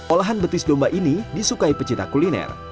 olahan betis domba ini disukai pecinta kuliner